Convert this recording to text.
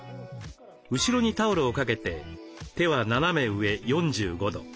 後ろにタオルをかけて手は斜め上４５度。